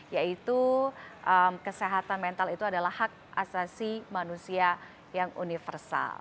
yaitu kesehatan mental itu adalah hak asasi manusia yang universal